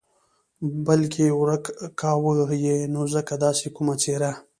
بلکې ورک کاوه یې نو ځکه داسې کومه څېره.